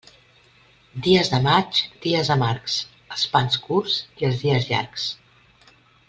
Dies de maig, dies amargs: els pans curts i els dies llargs.